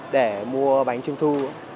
để mua bánh trung thu